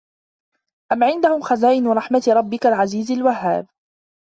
أَم عِندَهُم خَزائِنُ رَحمَةِ رَبِّكَ العَزيزِ الوَهّابِ